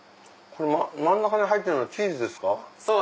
真ん中に入ってるのはチーズですか？